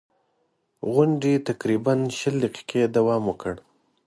غونډې تقریباً شل دقیقې دوام وکړ.